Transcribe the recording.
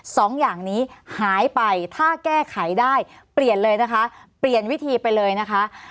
สองอย่างนี้หายไปถ้าแก้ไขได้เปลี่ยนเลยนะคะเปลี่ยนวิธีไปเลยนะคะ